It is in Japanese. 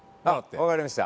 わかりました。